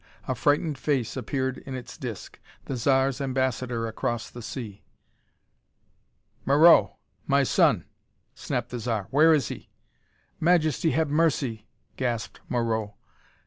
A frightened face appeared in its disc: the Zar's ambassador across the sea. "Moreau my son!" snapped the Zar. "Where is he?" "Majesty! Have mercy!" gasped Moreau.